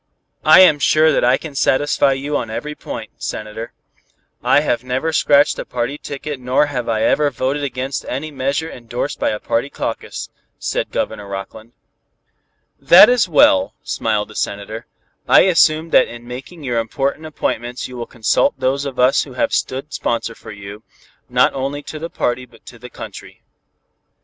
"I am sure that I can satisfy you on every point, Senator. I have never scratched a party ticket nor have I ever voted against any measure endorsed by a party caucus," said Governor Rockland. "That is well," smiled the Senator. "I assume that in making your important appointments you will consult those of us who have stood sponsor for you, not only to the party but to the country.